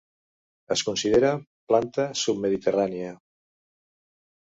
Es considera planta submediterrània.